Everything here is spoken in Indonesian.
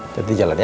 jadi jalan ya